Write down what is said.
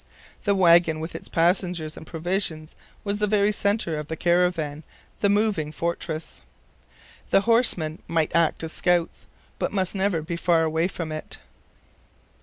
The wagon, with its passengers and provisions, was the very center of the caravan, the moving fortress. The horsemen might act as scouts, but must never be far away from it.